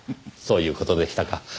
そういう事でしたか。